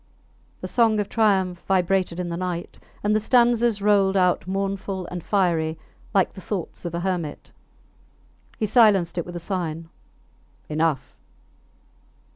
The song of triumph vibrated in the night, and the stanzas rolled out mournful and fiery like the thoughts of a hermit. He silenced it with a sign, Enough!